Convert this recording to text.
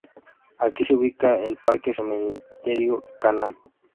Aquí se ubica el Parque Cementerio Canaán.